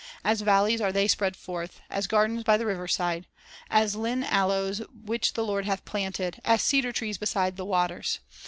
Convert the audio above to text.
As valleys are they spread forth, As gardens by the riverside, As lign aloes which the Lord hath planted, As cedar trees beside the waters."